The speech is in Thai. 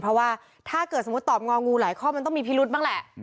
เพราะว่าถ้าเกิดสมมุติตอบงองูหลายข้อมันต้องมีพิรุษบ้างแหละ